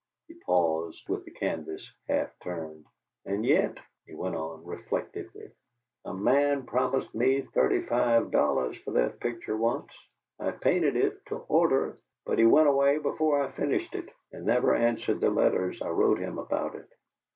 He paused, with the canvas half turned. "And yet," he went on, reflectively, "a man promised me thirty five dollars for that picture once. I painted it to order, but he went away before I finished it, and never answered the letters I wrote him about it.